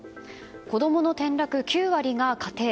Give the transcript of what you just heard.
子供の急落、９割が家庭。